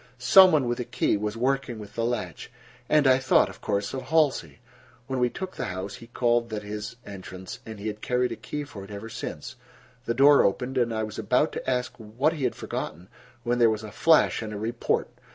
Some one with a key was working with the latch, and I thought, of course, of Halsey. When we took the house he called that his entrance, and he had carried a key for it ever since. The door opened and I was about to ask what he had forgotten, when there was a flash and a report.